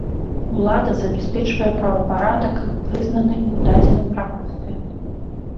Улада забяспечвае правапарадак, прызнаны ў дадзеным грамадстве.